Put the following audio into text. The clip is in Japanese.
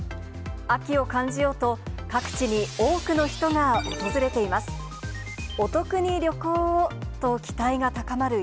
秋を感じようと、各地に多くの人が訪れています。